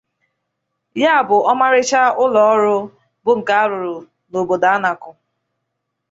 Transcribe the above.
Ya bụ ọmarịcha ụlọọrụ bụ nke a rụrụ n'obodo Anakụ